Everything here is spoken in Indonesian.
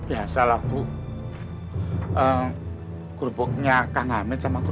monsieur yang bodoh